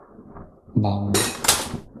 茫